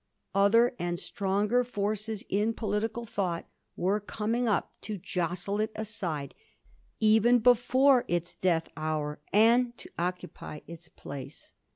Other and stronger forces in political thought were coming up to jostle it aside, even before its death hour, and to occupy its place.